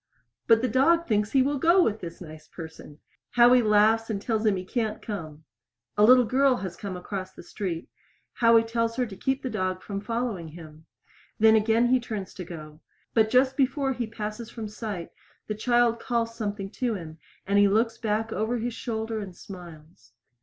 But the dog thinks he will go with this nice person! Howie laughs and tells him he can't come. A little girl has come across the street. Howie tells her to keep the dog from following him. Then again he turns to go. But just before he passes from sight the child calls something to him, and he looks back over his shoulder and smiles.